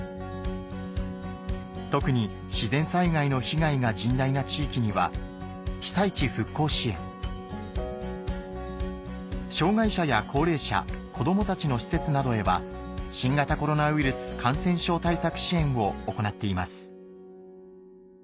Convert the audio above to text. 特に自然災害の被害が甚大な地域には障がい者や高齢者子どもたちの施設などへは新型コロナウイルス感染症対策支援を行っています